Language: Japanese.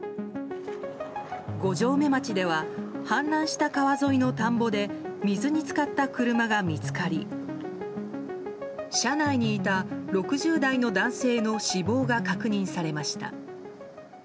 五城目町では氾濫した川沿いの田んぼで水に浸かった車が見つかり車内にいた６０代の男性の死亡が確認されました。